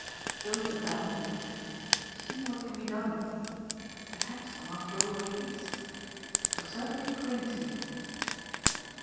Don't abandon me. See what can be done with me. Perhaps I'm after all a case. I shall certainly cling to you."